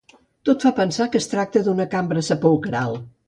Tot fa pensar que es tracta d'una cambra sepulcral.